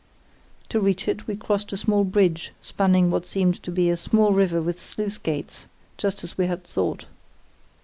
To reach it we crossed a small bridge spanning what seemed to be a small river with sluice gates, just as we had thought.